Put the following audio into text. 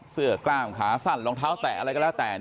กล้ามขาสั้นรองเท้าแตะอะไรก็แล้วแต่